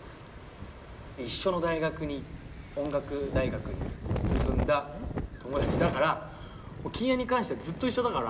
一緒の大学に音楽大学に進んだ友達だからキンヤに関してはずっと一緒だから。